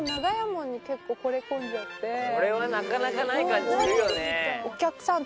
これはなかなかない感じするよね。